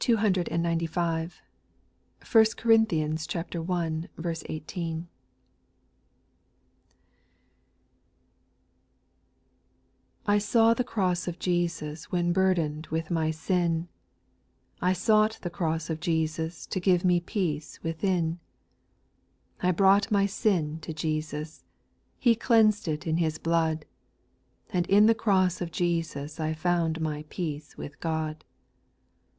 295. 1 Corinthians i. 18. 1. T SAW the cross of Jesus X When burdened with my sin ; I sought the cross of Jesus To give me peace within : I brought my sin to Jesus ; He cleans'd it in His blood ; And in the cross of Jesus I found my peace with God.